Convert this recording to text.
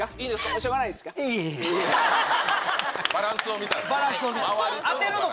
しょうがないですか？